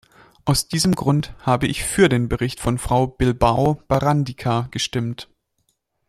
Aus diesem Grund habe ich für den Bericht von Frau Bilbao Barandica gestimmt.